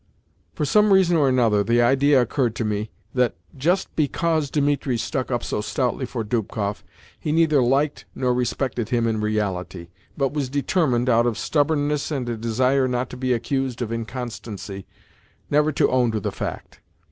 For some reason or another the idea occurred to me that, just BECAUSE Dimitri stuck up so stoutly for Dubkoff, he neither liked nor respected him in reality, but was determined, out of stubbornness and a desire not to be accused of inconstancy, never to own to the fact.